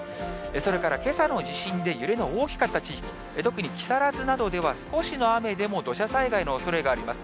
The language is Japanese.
それからけさの地震で、揺れの大きかった地域、特に木更津などでは少しの雨でも土砂災害のおそれがあります。